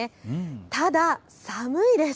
ただ寒いです。